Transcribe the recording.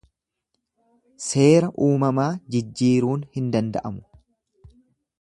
Seera uumamaa jijjiiruun hin danda'amu